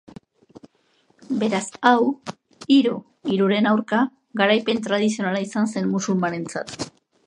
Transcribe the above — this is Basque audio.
Beraz hau hiru-hiruren-aurka garaipen tradizionala izan zen musulmanentzat.